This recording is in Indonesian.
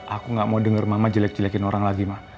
aku gak mau denger mama jelek jelekin orang lagi mah